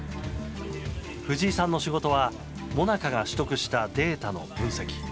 藤井さんの仕事はＭＯＮＡＣＡが取得したデータの分析。